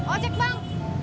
oh cek bang